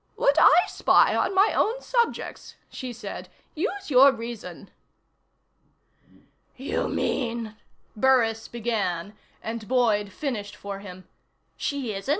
"Would I spy on my own subjects?" she said. "Use your reason!" "You mean " Burris began, and Boyd finished for him: " she isn't?"